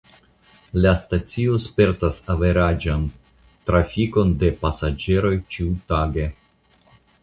La stacio spertas averaĝan trafikon de pasaĝeroj ĉiutage.